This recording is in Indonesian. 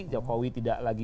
jokowi tidak lagi